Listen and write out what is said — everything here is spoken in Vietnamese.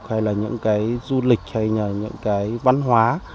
hay là những du lịch hay là những văn hóa